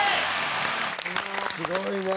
すごいね！